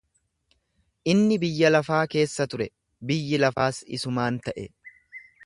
Inni biyya lafaa keessa ture; biyyi lafaas isumaan ta'e.